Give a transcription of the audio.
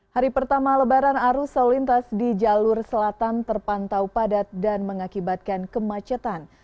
hari pertama lebaran arus lalu lintas di jalur selatan terpantau padat dan mengakibatkan kemacetan